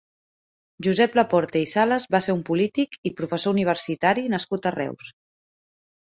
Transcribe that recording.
Josep Laporte i Salas va ser un polític i professor universitari nascut a Reus.